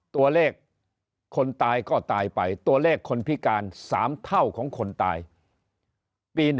ตัวเลขคนตายก็ตายไปตัวเลขคนพิการ๓เท่าของคนตายปี๑